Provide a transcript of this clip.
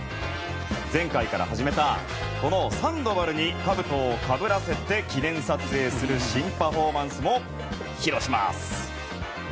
前回から始めた、サンドバルにかぶとをかぶらせて記念撮影する新パフォーマンスも披露します。